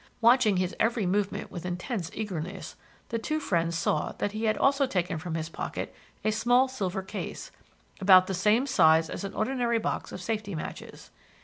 Watching his every movement with intense eagerness, the two friends saw that he had also taken from his pocket a small silver case, about the same size as an ordinary box of safety matches.